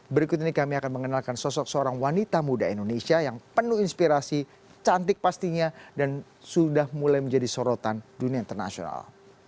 berikut ini kami akan mengenalkan sosok seorang wanita muda indonesia yang penuh inspirasi cantik pastinya dan sudah mulai menjadi sorotan dunia internasional